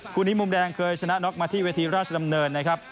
คู่นี้มุมแดงเคยชนะน็อกมาที่เวทีราชดำเนินนะครับ